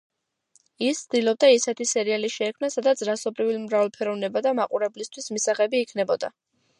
ის ცდილობდა ისეთი სერიალი შეექმნა სადაც რასობრივი მრავალფეროვნება და მაყურებლისთვის მისაღები იქნებოდა.